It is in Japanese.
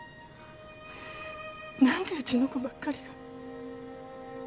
何でうちの子ばっかりが。